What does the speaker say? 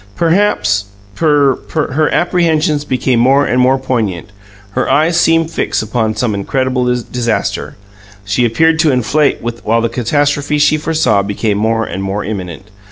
"Perhaps per per " Her apprehensions became more and more poignant; her eyes seemed fixed upon some incredible disaster; she appeared to inflate while the catastrophe she foresaw became more and more imminent.